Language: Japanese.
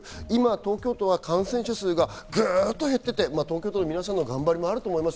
東京都は今、感染者数がグッと減っていって、東京都の皆さんの頑張りもあると思います。